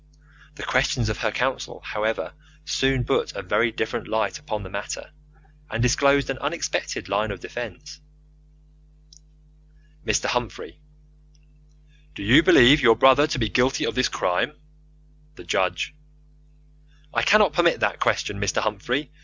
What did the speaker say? The questions of her counsel, however, soon put a very different light upon the matter, and disclosed an unexpected line of defence. Mr. Humphrey: Do you believe your brother to be guilty of this crime? The Judge: I cannot permit that question, Mr. Humphrey.